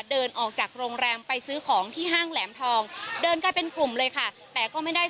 เดินออกจากโรงแรมไปซื้อของที่ห้างแหลมทองเดินกลายเป็นกลุ่มเลยค่ะแต่ก็ไม่ได้